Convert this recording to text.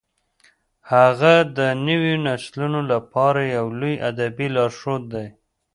هغه د نوو نسلونو لپاره یو لوی ادبي لارښود دی.